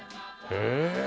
へえ！